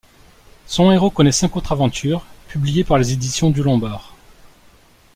Son héros connaît cinq autres aventures publiées par les éditions du Lombard.